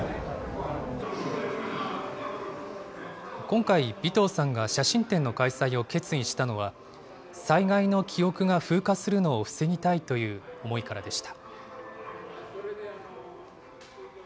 今回、尾藤さんが写真展の開催を決意したのは、災害の記憶が風化するのを防ぎたいという思いからでした。